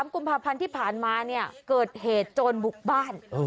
กุมภาพันธ์ที่ผ่านมาเนี่ยเกิดเหตุโจรบุกบ้าน